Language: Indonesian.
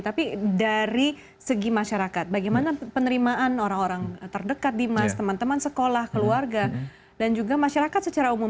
tapi dari segi masyarakat bagaimana penerimaan orang orang terdekat dimas teman teman sekolah keluarga dan juga masyarakat secara umum